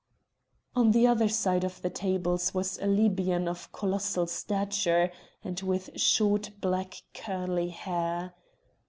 On the other side of the tables was a Libyan of colossal stature, and with short black curly hair.